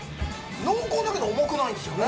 濃厚だけど、重くないんですよね。